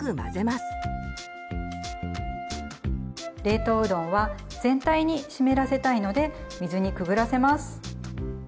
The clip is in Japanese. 冷凍うどんは全体に湿らせたいので水にくぐらせます。